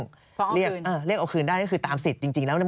ฟ้องเอาคืนอ่าเลี่ยงเอาคืนได้นี่คือตามสิทธิ์จริงแล้ว